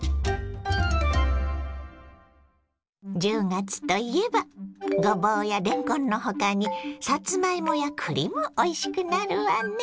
１０月といえばごぼうやれんこんの他にさつまいもやくりもおいしくなるわね。